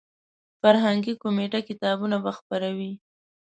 فرهنګي کمیټه کتابونه به خپروي.